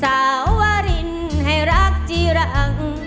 สาววารินให้รักจีรัง